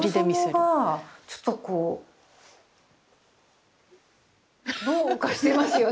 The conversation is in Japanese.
そもそもがちょっとこうどうかしてますよね。